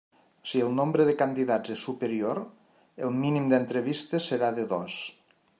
Si el nombre de candidats és superior, el mínim d'entrevistes serà de dos.